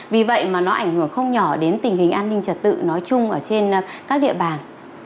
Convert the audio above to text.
vì vậy mà nó ảnh hưởng không nhỏ đến tình hình an ninh trật tự nói chung ở trên các địa bàn